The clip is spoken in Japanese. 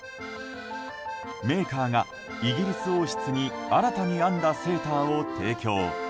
メーカーが、イギリス王室に新たに編んだセーターを提供。